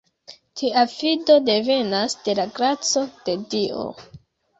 Tia fido devenas de la graco de Dio.